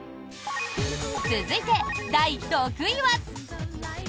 続いて、第６位は。